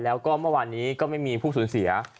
แล้วก็เมื่อวานนี้ก็ไม่มีผู้สูญเสีย